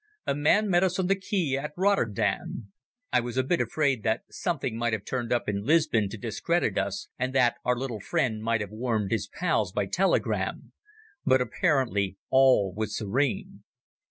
A man met us on the quay at Rotterdam. I was a bit afraid that something might have turned up in Lisbon to discredit us, and that our little friend might have warned his pals by telegram. But apparently all was serene.